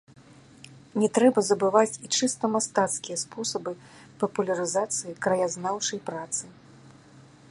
Не трэба забываць і чыста мастацкія спосабы папулярызацыі краязнаўчай працы.